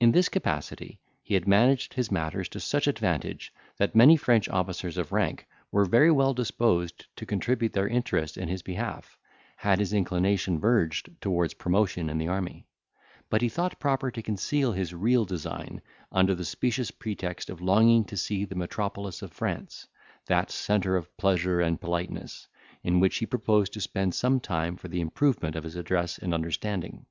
In this capacity he had managed his matters to such advantage, that many French officers of rank were very well disposed to contribute their interest in his behalf, had his inclination verged towards promotion in the army; but he thought proper to conceal his real design, under the specious pretext of longing to see the metropolis of France, that centre of pleasure and politeness, in which he proposed to spend some time for the improvement of his address and understanding.